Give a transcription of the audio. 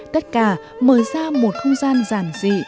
tất cả mở ra một không gian giản dị